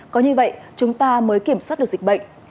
có như vậy chúng ta mới kiểm soát được dịch bệnh